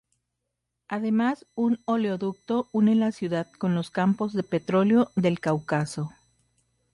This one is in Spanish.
Además un oleoducto une la ciudad con los campos de petróleo del Cáucaso.